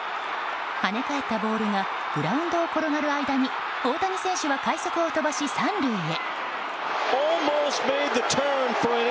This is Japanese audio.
跳ね返ったボールがグラウンドを転がる間に大谷選手は快足を飛ばし３塁へ。